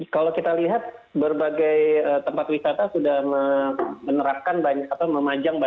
kalau kita lihat berbagai tempat wisata sudah menerapkan banyak apa memajang